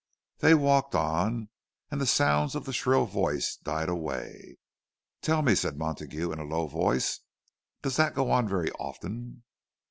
They walked on, and the sounds of the shrill voice died away. "Tell me," said Montague, in a low voice, "does that go on very often?"